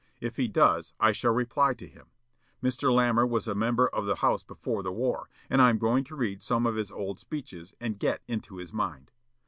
If he does, I shall reply to him. Mr. Lamar was a member of the House before the war; and I am going to read some of his old speeches, and get into his mind.'